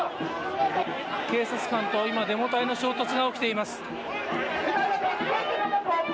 警察官と今デモ隊の衝突が起きています。